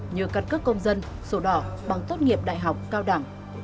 như căn cước công dân sổ đỏ bằng tốt nghiệp đại học cao đẳng